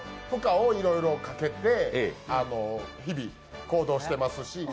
負荷をいろいろかけて日々、行動してますし。